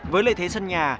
với lợi thế sân nhà